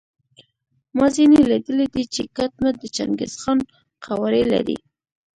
ما ځینې لیدلي دي چې کټ مټ د چنګیز خان قوارې لري.